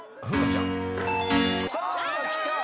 さあきた。